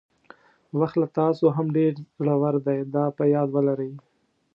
وخت له تاسو هم ډېر زړور دی دا په یاد ولرئ.